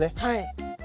はい。